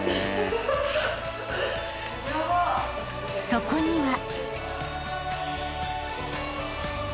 ［そこには］